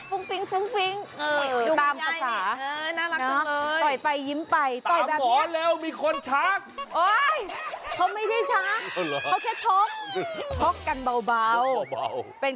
ฟุ้งฟิ้งฟุ้งฟิ้งต่อยไปยิ้มไปต่อยไปหมอนแล้วมีคนชักเอ้ยเธอไม่ได้ชักเขาแค่ชบช็อกกันเบาเป็น